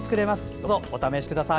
どうぞお試しください。